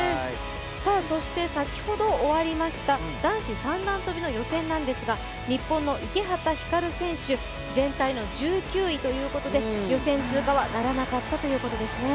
先ほど終わりました男子三段跳の予選ですが、日本の池畠旭佳瑠選手、全体の１９位ということで予選通過はならなかったということですね。